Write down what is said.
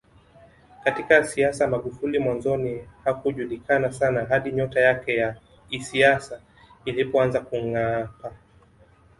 Katika siasa Magufuli mwanzoni hakujulikana sana hadi nyota yake ya isiasa ilipoanza kungaapa